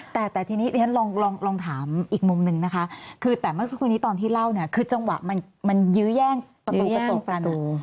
แต่ทีนี้ฉันลองถามอีกมุมนึงนะคะคือแต่เมื่อสักครู่นี้ตอนที่เล่าคือจังหวะมันยื้อแย่งประตูกัน